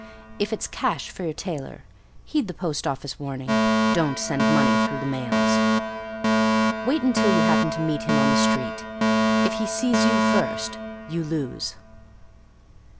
If it's cash for your tailor, heed the post office warning, "Don't send money through the mails." Wait until you happen to meet him on the street. If he sees you first, you lose.